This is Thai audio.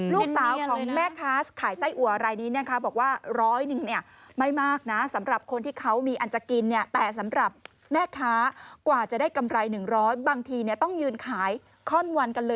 ลูกสาวของแม่ค้าขายไส้อัวรายนี้นี่บอกว่า